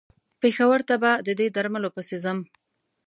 پېښور ته به د دې درملو پسې ځم.